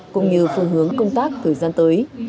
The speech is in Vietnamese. cũng như phương hướng công tác thời gian tới